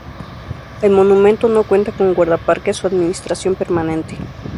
El monumento no cuenta con guardaparques o administración permanente.